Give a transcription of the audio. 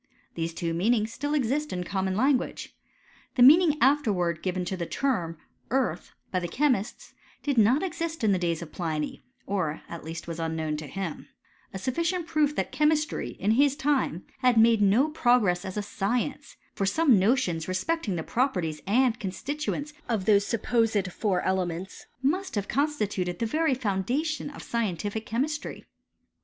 Thess two meanings still exist in common language. The meaning afterwards given to the term, earth, by the chemists, did not exist in the days of Pliny, or, at least, was unknown to him ; a sufficient proof tiiat chemistry, in his time, had made no progress as a science ; for some notions respecting the properties and constituents of those supposed four elements must have constituted the very foundation of scientific chemistry.